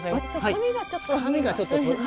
紙がちょっと。